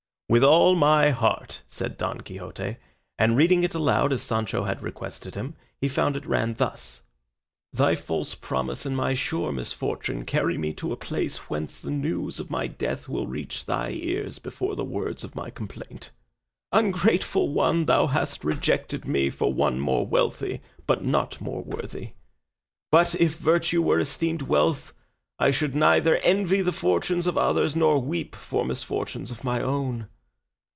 "With all my heart," said Don Quixote, and reading it aloud as Sancho had requested him, he found it ran thus: Thy false promise and my sure misfortune carry me to a place whence the news of my death will reach thy ears before the words of my complaint. Ungrateful one, thou hast rejected me for one more wealthy, but not more worthy; but if virtue were esteemed wealth I should neither envy the fortunes of others nor weep for misfortunes of my own.